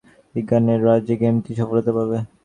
বিজ্ঞানের রাজ্যে গেমটি সফলতা পাবে।